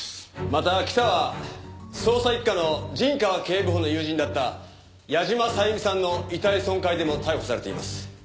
また北は捜査一課の陣川警部補の友人だった矢島さゆみさんの遺体損壊でも逮捕されています。